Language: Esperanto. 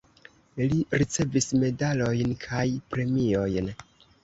Li ricevis medalojn kaj premiojn.